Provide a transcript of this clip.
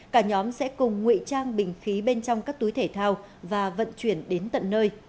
cả nhóm sẽ cùng ngụy trang bình khí bên trong các túi thể thao và vận chuyển đến tận nơi